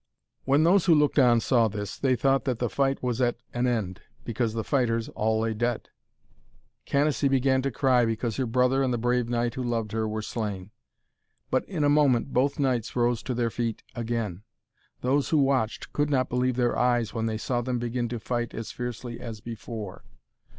When those who looked on saw this, they thought that the fight was at an end, because the fighters all lay dead. Canacee began to cry because her brother and the brave knight who loved her were slain. But in a moment both knights rose to their feet again. Those who watched could not believe their eyes when they saw them begin to fight as fiercely as before.